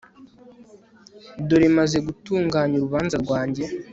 dore maze gutunganya urubanza rwanjye